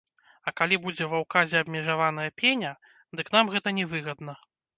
А калі будзе ва ўказе абмежаваная пеня, дык нам гэта не выгадна.